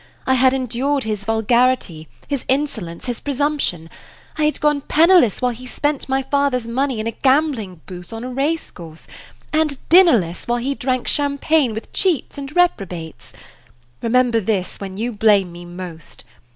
I had endured his vulgarity, his insolence, his presumption; I had gone penniless while he spent my father's money in a gambling booth on a race course, and dinnerless while he drank Champagne with cheats and reprobates. Remember this when you blame me most.